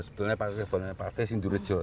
sebetulnya patehnya paku buwono patehnya sindrijo